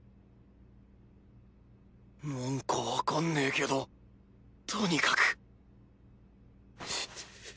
何かわかんねけどとにかく